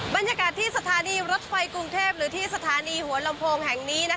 บรรยากาศที่สถานีรถไฟกรุงเทพหรือที่สถานีหัวลำโพงแห่งนี้